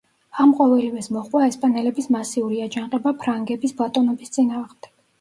ამ ყოველივეს მოჰყვა ესპანელების მასიური აჯანყება ფრანგების ბატონობის წინააღმდეგ.